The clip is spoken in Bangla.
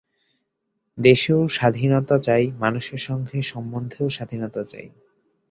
দেশেও স্বাধীনতা চাই, মানুষের সঙ্গে সম্বন্ধেও স্বাধীনতা চাই।